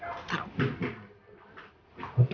ini gak enak lah